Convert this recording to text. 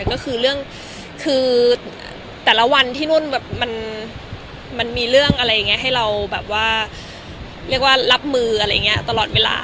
ก็คือเรื่องคือแต่ละวันที่นู่นแบบมันมีเรื่องอะไรอย่างนี้ให้เราแบบว่าเรียกว่ารับมืออะไรอย่างนี้ตลอดเวลา